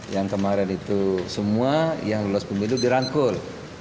yang kemarin itu semua yang lulus pemilu dirangkul